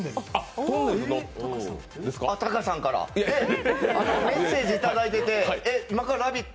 タカさんからメッセージをいただいていて、今から「ラヴィット！」